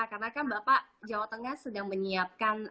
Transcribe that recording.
karena kan bapak jawa tengah sedang menyiapkan